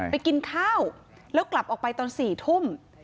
กินข้าวแล้วกลับออกไปตอน๔ทุ่ม